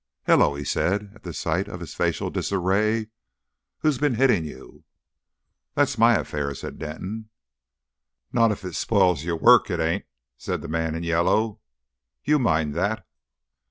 "Hello!" he said, at the sight of his facial disarray. "Who's been hitting you?" "That's my affair," said Denton. "Not if it spiles your work, it ain't," said the man in yellow. "You mind that."